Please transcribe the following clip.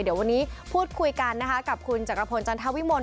เดี๋ยววันนี้พูดคุยกันนะคะกับคุณจักรพลจันทวิมล